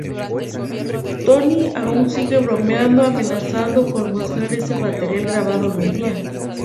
Tony aún sigue bromeando amenazando con mostrar ese material grabado algún día.